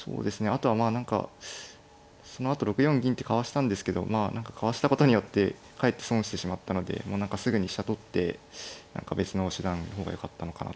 あとはまあ何かそのあと６四銀ってかわしたんですけどまあ何かかわしたことによってかえって損してしまったのでもう何かすぐに飛車取って何か別の手段の方がよかったのかなと思いますね。